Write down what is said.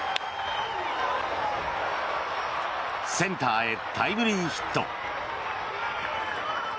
センターへタイムリーヒット。